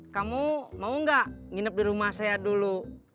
kamu mau nggak nginep di rumah saya dulu